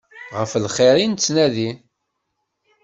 Ɣef lxir i nettnadi.